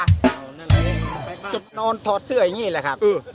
นั่นแหละจุดนอนถอดเสื้ออย่างนี้แหละครับ